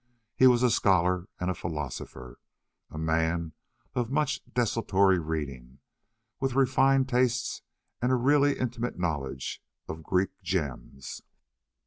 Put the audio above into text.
He was a scholar and a philosopher, a man of much desultory reading, with refined tastes and a really intimate knowledge of Greek gems.